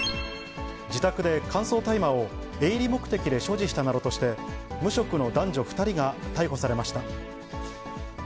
自宅で乾燥大麻を営利目的で所持したなどとして、無職の男女２人が逮捕されました。